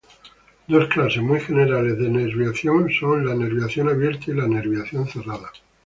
Dos clases muy generales de nerviación son la nerviación abierta y la nerviación cerrada.